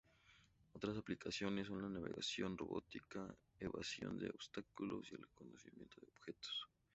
Otras aplicaciones son la navegación robótica, evasión de obstáculos, y el reconocimiento de objetos.